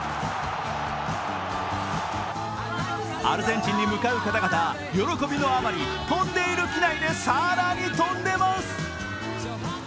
アルゼンチンに向かう方々、喜びのあまり飛んでいる機内で更に飛んでます。